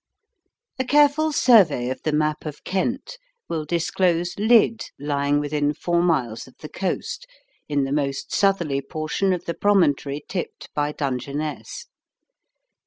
A careful survey of the map of Kent will disclose Lydd lying within four miles of the coast, in the most southerly portion of the promontory tipped by Dungeness.